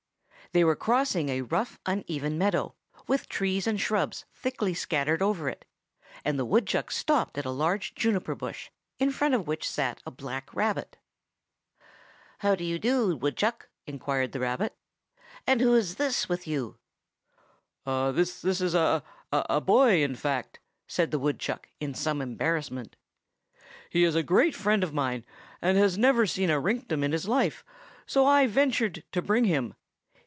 They were crossing a rough, uneven meadow, with trees and shrubs thickly scattered over it; and the woodchuck stopped at a large juniper bush, in front of which sat a black rabbit. "How do you do, Woodchuck?" inquired the rabbit. "And who is this with you?" "This is a—a—a boy, in fact," said the woodchuck in some embarrassment. "He is a great friend of mine, and has never seen a rinktum in his life, so I ventured to bring him.